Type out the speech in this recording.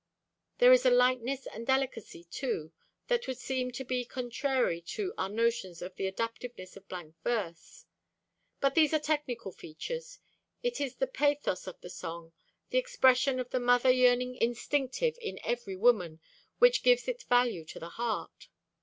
There is a lightness and delicacy, too, that would seem to be contrary to our notions of the adaptiveness of blank verse. But these are technical features. It is the pathos of the song, the expression of the mother yearning instinctive in every woman, which gives it value to the heart.